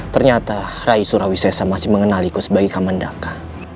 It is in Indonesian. ternyata rai surawi sesa masih mengenaliku sebagai kamandaka